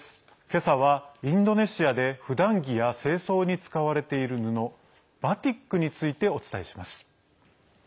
けさはインドネシアでふだん着や正装に使われている布バティックについてお伝えします。